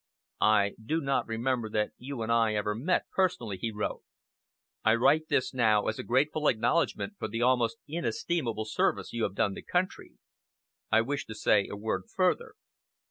"I do not remember that you and I ever met personally," he wrote. "I write this now as a grateful acknowledgement for the almost inestimable service you have done the country. I wish to say a word further."